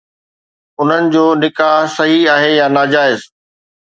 انهن جو نڪاح صحيح آهي يا ناجائز؟